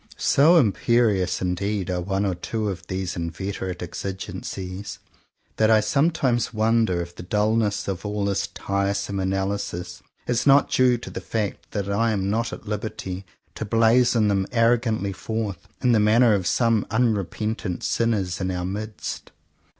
So imperious indeed are one or two of these inveterate exigencies, that I some times wonder if the dullness of all this tiresome analysis is not due to the fact that I am not at liberty to blazon them arro 166 JOHN COWPER POWYS gantly forth, in the manner of some un repentant sinners in our midst.